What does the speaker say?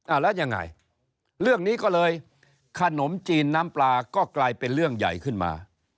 แล้วยังไงเรื่องนี้ก็เลยขนมจีนน้ำปลาก็กลายเป็นเรื่องใหญ่ขึ้นมา